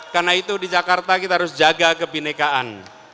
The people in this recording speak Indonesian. karena itu di jakarta kita harus jaga kebinekaan